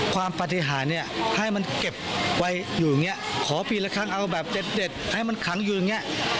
ปฏิหารเนี่ยให้มันเก็บไว้อยู่อย่างนี้ขอปีละครั้งเอาแบบเด็ดให้มันขังอยู่อย่างนี้